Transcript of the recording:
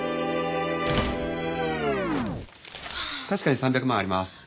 確かに３００万あります。